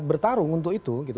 bertarung untuk itu